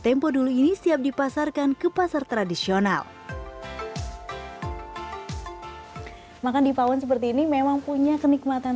tempo dulu ini siap dipasarkan ke pasar tradisional makan di pawon seperti ini memang punya kenikmatan